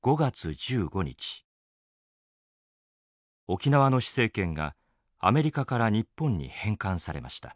沖縄の施政権がアメリカから日本に返還されました。